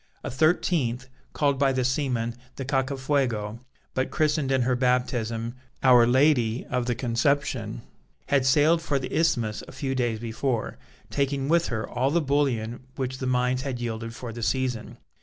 A thirteenth, called by the seamen the Cacafuego, but christened in her baptism "Our Lady of the Conception," had sailed for the Isthmus a few days before, taking with her all the bullion which the mines had yielded for the season.